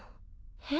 えっ？